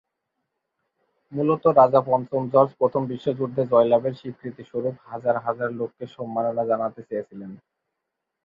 মূলতঃ রাজা পঞ্চম জর্জ প্রথম বিশ্বযুদ্ধে জয়লাভের স্বীকৃতিস্বরূপ হাজার হাজার লোককে সম্মাননা জানাতে চেয়েছিলেন।